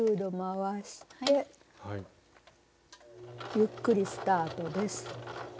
ゆっくりスタートです。